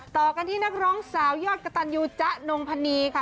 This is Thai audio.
ต่อกันที่นักร้องสาวยอดกระตันยูจ๊ะนงพนีค่ะ